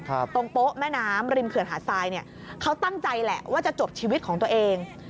ตรงโป๊ะแม่น้ำริมเขื่อนหาดทรายเนี่ยเขาตั้งใจแหละว่าจะจบชีวิตของตัวเอง